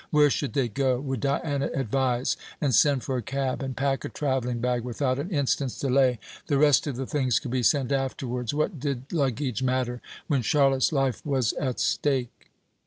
Where should they go? Would Diana advise, and send for a cab, and pack a travelling bag without an instant's delay? The rest of the things could be sent afterwards. What did luggage matter, when Charlotte's life was at stake?